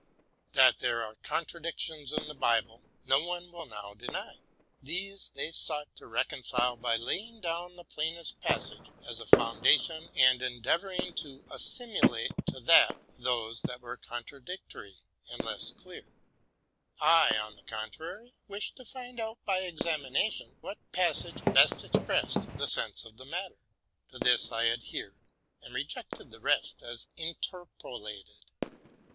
That there are contradictions in the Bible, no one will now 102 TRUTH AND FICTION deny. These they tried to reconcile by laying down the plainest passage as a foundation, and endeavoring to assimi late to that those that were contradictory and less clear. I, on the contrary, wished to find out, by examination, what passage best expressed the sense of the matter. To this I adhered, and rejected the rest as interpolated.